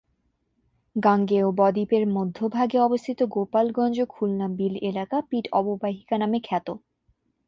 গাঙ্গেয় বদ্বীপের মধ্যভাগে অবস্থিত গোপালগঞ্জ-খুলনা বিল এলাকা পিট অববাহিকা নামে খ্যাত।